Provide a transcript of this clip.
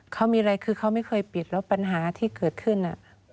เขามีอะไรคือเขาไม่เคยปิดแล้วปัญหาที่เกิดขึ้น